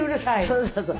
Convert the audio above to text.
「そうそうそう」